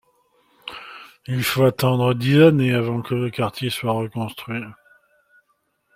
Il faut attendre dix années avant que le quartier soit reconstruit.